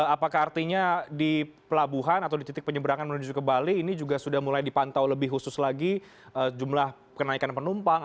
apakah artinya di pelabuhan atau di titik penyeberangan menuju ke bali ini juga sudah mulai dipantau lebih khusus lagi jumlah kenaikan penumpang